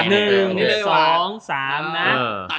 ๑๒๓นะ